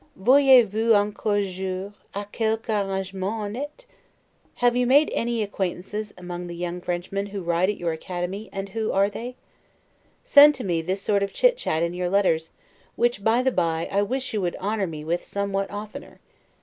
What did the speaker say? Voyez vous encore jour, a quelque arrangement honnete? Have you made many acquaintances among the young Frenchmen who ride at your Academy; and who are they? Send to me this sort of chit chat in your letters, which, by the bye, I wish you would honor me with somewhat oftener.